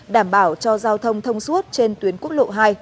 đảm bảo cho giao thông thông suốt trên tuyến quốc lộ hai